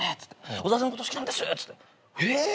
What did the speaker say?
小沢さんのこと好きなんですっつって。